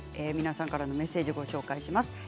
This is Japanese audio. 皆さんからのメッセージをご紹介します。